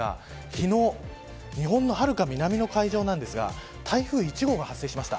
昨日、日本のはるか南の海上なんですが台風１号が発生しました。